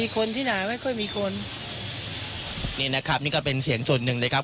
คนที่ไหนไม่ค่อยมีคนนี่นะครับนี่ก็เป็นเสียงส่วนหนึ่งเลยครับ